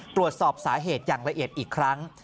ตรวจสอบสาเหตุอย่างละเอียดอีกครั้ง